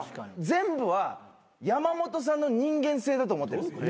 全部は山本さんの人間性だと思ってるんですよ。